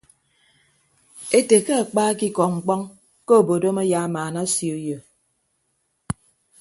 Ete ke akpa ekikọ mkpọñ ke obodom ayamaana osio uyo.